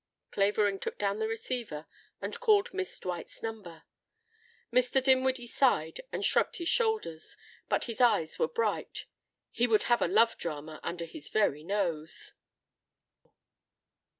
Clavering took down the receiver and called Miss Dwight's number. Mr. Dinwiddie sighed and shrugged his shoulders. But his eyes were bright. He would have a love drama under his very nose.